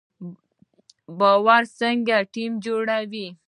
باور څنګه ټیم جوړوي؟